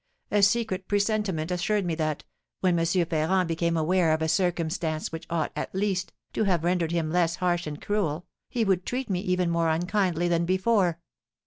A secret presentiment assured me that, when M. Ferrand became aware of a circumstance which ought, at least, to have rendered him less harsh and cruel, he would treat me even more unkindly than before.